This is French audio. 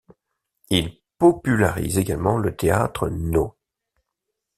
Il popularise également le théâtre nō.